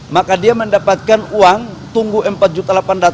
maka dia mendapatkan uang tunggu rp empat delapan ratus